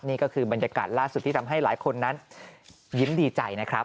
นี่ก็คือบรรยากาศล่าสุดที่ทำให้หลายคนนั้นยิ้มดีใจนะครับ